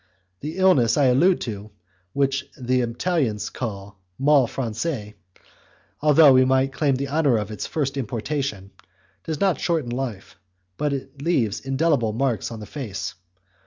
The illness I allude to, which the Italians call 'mal francais', although we might claim the honour of its first importation, does not shorten life, but it leaves indelible marks on the face.